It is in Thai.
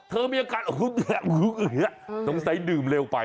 เธอมีอาการอื้อต้องใส่ดื่มเร็วไป